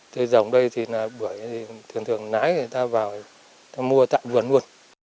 thời dòng đây thì bưởi thường thường nái người ta vào người ta mua tại vườn luôn